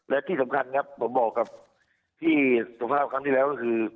และที่สำคัญครับผมบอกกับพี่สุภาพครั้งที่แล้วก็คือ